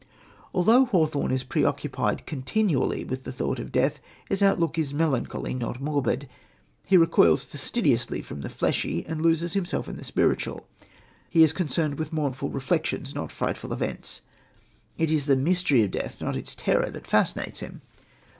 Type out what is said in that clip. Although Hawthorne is preoccupied continually with the thought of death, his outlook is melancholy, not morbid. He recoils fastidiously from the fleshly and loses himself in the spiritual. He is concerned with mournful reflections, not frightful events. It is the mystery of death, not its terror, that fascinates him.